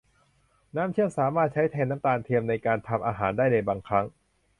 น้ำเชื่อมสามารถใช้แทนน้ำตาลเทียมในการทำอาหารได้ในบางครั้ง